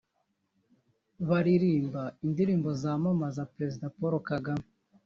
baririmba indirimbo zamamaza Perezida Paul Kagame